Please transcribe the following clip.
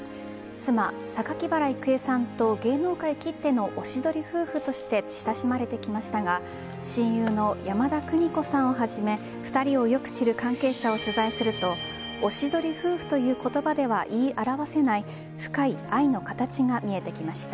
妻・榊原郁恵さんと芸能界きってのおしどり夫婦として親しまれてきましたが親友の山田邦子さんをはじめ２人をよく知る関係者を取材するとおしどり夫婦という言葉では言い表せない深い愛の形が見えてきました。